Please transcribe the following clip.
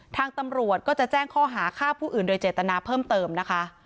ทางตำรวจก็จะแจ้งข้อหาฆ่าผู้อื่นโดยเจตนาเพิ่มเติมนะคะ